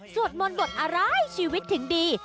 มนต์บทอะไรชีวิตถึงดี